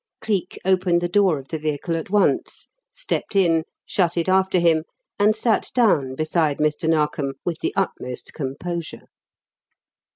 Cleek opened the door of the vehicle at once, stepped in, shut it after him, and sat down beside Mr. Narkom with the utmost composure.